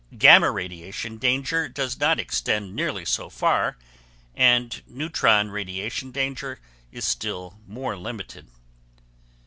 Gamma radiation danger does not extend nearly so far and neutron radiation danger is still more limited.